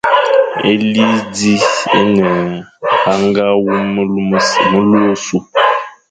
Éli zi é ne hagha wum melu ôsu,